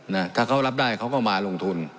นะถ้าเขารับได้เขาก็มาลงทุน